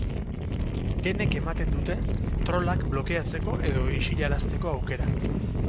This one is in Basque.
Denek ematen dute trollak blokeatzeko edo isilarazteko aukera.